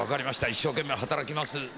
一生懸命働きます。